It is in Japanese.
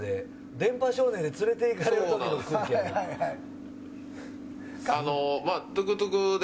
電波少年で連れていかれるときの空気やで。